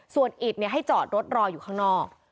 ส่วนอิตให้จอดรถรออยู่ข้างนอก